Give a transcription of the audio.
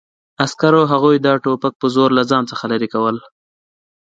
عسکرو هغوی د ټوپک په زور له ځان څخه لرې کول